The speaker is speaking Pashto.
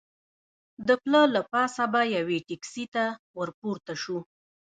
د پله له پاسه به یوې ټکسي ته ور پورته شو.